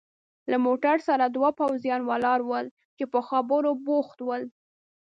له موټر سره دوه پوځیان ولاړ ول چې په خبرو بوخت ول.